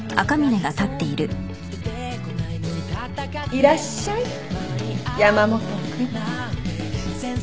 いらっしゃい山本君。